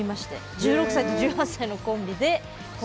１６歳と１８歳のコンビで今回。